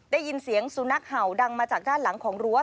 ได้ยินเสียงสุนัขเห่าดังมาจากด้านหลังของรั้ว